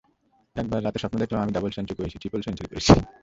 একবার রাতে স্বপ্ন দেখলাম, আমি ডাবল সেঞ্চুরি করছি, ট্রিপল সেঞ্চুরি করছি।